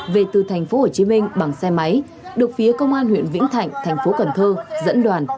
về từ thành phố hồ chí minh bằng xe máy được phía công an huyện vĩnh thạnh thành phố cần thơ dẫn đoàn